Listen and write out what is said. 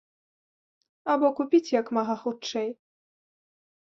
Або купіць як мага хутчэй.